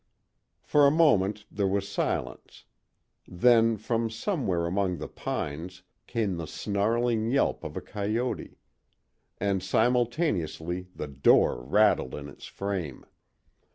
For a moment there was silence; then, from somewhere among the pines, came the snarling yelp of a coyote; and simultaneously the door rattled in its frame.